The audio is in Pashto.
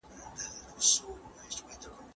ډیپلوماټان به په ګډه همکاري کوي.